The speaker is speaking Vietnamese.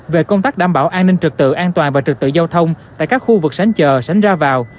về công tác đảm bảo an ninh trực tự an toàn và trực tự giao thông tại các khu vực sánh chờ sánh ra vào